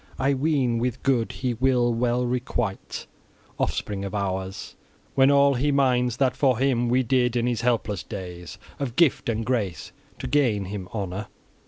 I ween with good he will well requite offspring of ours, when all he minds that for him we did in his helpless days of gift and grace to gain him honor!"